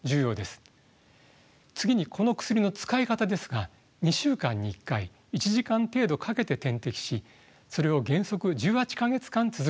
次にこの薬の使い方ですが２週間に１回１時間程度かけて点滴しそれを原則１８か月間続けます。